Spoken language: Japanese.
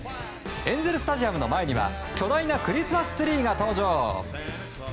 エンゼル・スタジアムの前には巨大なクリスマスツリーが登場。